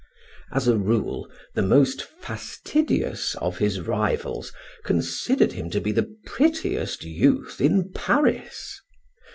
As a rule the most fastidious of his rivals considered him to be the prettiest youth in Paris.